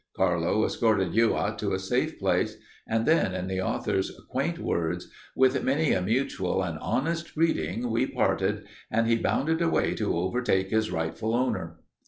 Carlo escorted Youatt to a safe place, and then, in the author's quaint words, 'with many a mutual and honest greeting we parted, and he bounded away to overtake his rightful owner.'